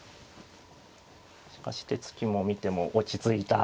しかし手つきも見ても落ち着いた。